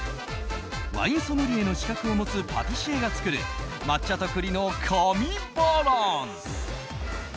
ワインソムリエの資格を持つパティシエが作る抹茶と栗の神バランス。